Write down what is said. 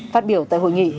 phát biểu tại hội nghị